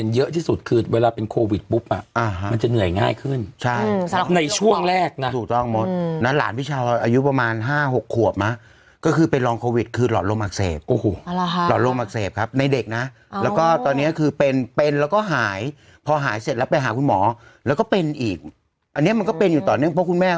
เยอะที่สุดคือเวลาเป็นโควิดปุ๊บอ่ะมันจะเหนื่อยง่ายขึ้นใช่ในช่วงแรกนะถูกต้องหมดนะหลานพี่เช้าอายุประมาณ๕๖ขวบนะก็คือเป็นรองโควิดคือหลอดลมอักเสบโอ้โหหลอดลมอักเสบครับในเด็กนะแล้วก็ตอนนี้คือเป็นเป็นแล้วก็หายพอหายเสร็จแล้วไปหาคุณหมอแล้วก็เป็นอีกอันนี้มันก็เป็นอยู่ต่อเนื่องเพราะคุณแม่